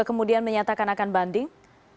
kemudian menyatakan akan banding